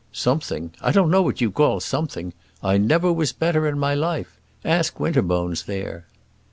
"Something! I don't know what you call something. I never was better in my life. Ask Winterbones there."